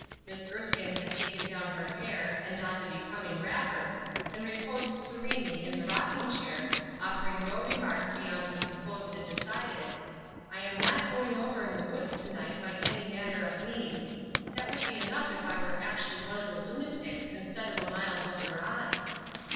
Miss Erskine had taken down her hair and donned a becoming wrapper, and reposed serenely in the rocking chair, offering no remark beyond the composed and decided, "I am not going over in the woods to night by any manner of means; that would be enough if I were actually one of the lunatics instead of a mild looker on."